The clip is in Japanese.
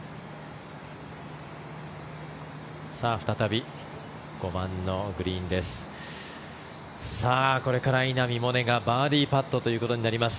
再び５番のグリーンです。